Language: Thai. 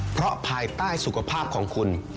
เพราะภายใต้สุขภาพของคุณ